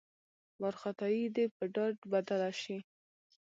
وارخطايي دې په ډاډ بدله شي.